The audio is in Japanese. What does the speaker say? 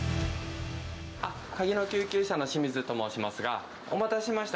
あっ、カギの救急車の清水と申しますが、お待たせしました。